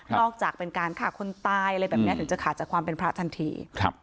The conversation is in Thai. จากเป็นการฆ่าคนตายอะไรแบบนี้ถึงจะขาดจากความเป็นพระทันที